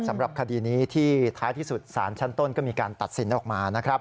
สำหรับคดีนี้ที่ท้ายที่สุดสารชั้นต้นก็มีการตัดสินออกมานะครับ